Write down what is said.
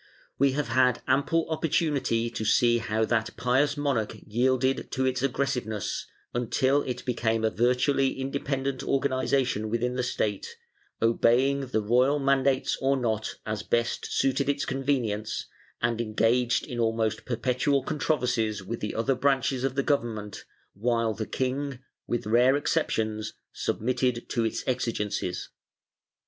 We have had ample opportunity to see how that pious monarch yielded to its aggressiveness, until it became a virtually independent organization within the State, obeying the royal mandates or not, as best suited its convenience, and engaged in almost perpetual controversies with the other branches of the government, while the king, with rare exceptions, submitted to its exigencies.